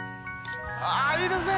あいいですね！